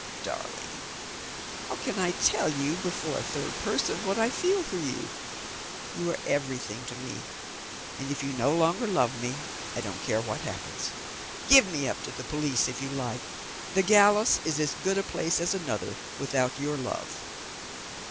Darling, how can I tell you, before a third person, what I feel for you? You are everything to me; and, if you no longer love me, I don't care what happens. Give me up to the police if you like. The gallows is as good a place as another, without your love."